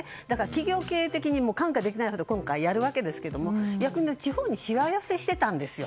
企業経営的にも看過できないほど今回やるわけですが逆に地方にしわ寄せをしていたんですよ。